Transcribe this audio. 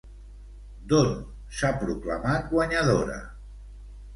D'on s'ha proclamat guanyadora?